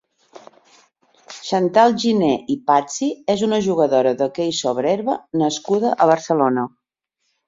Xantal Giné i Patsi és una jugadora d'hoquei sobre herba nascuda a Barcelona.